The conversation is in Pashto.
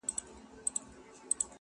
ساقي زده له صراحي مي د زړه رازکی,